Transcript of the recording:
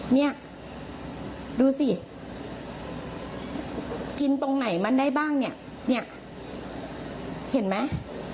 เนี่ยดูสิกินตรงไหนมันได้บ้างเนี่ยเห็นไหม